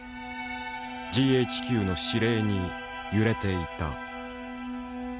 ＧＨＱの指令に揺れていた。